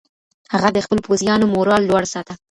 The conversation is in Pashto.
هغه د خپلو پوځیانو مورال لوړ ساته.